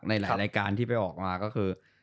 หลายรายการที่ไปออกมาก็คือ